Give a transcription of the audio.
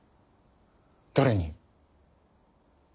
誰に？